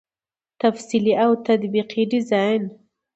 تفصیلي او تطبیقي ډيزاين